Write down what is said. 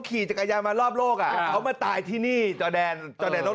ขี่จักรยานมารอบโลกอ่ะเขามาตายที่นี่จอแดนจอแดนต้อง